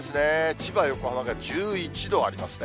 千葉、横浜が１１度ありますね。